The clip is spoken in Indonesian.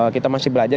kita masih belajar